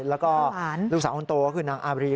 แล้วก็ลูกสาวอ้อนโตคือนางอารีย์